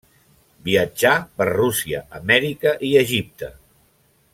Viatjà per Rússia, Amèrica i Egipte.